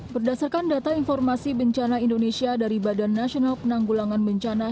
bagaimana seharusnya masyarakat beradaptasi dengan bencana